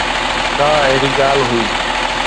ڪا اهڙي ڳالهه هئي.